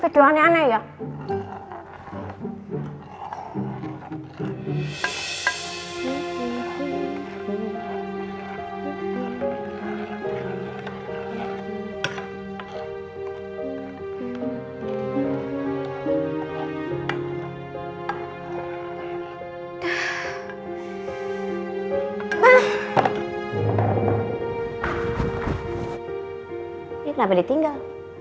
ini kenapa ditinggal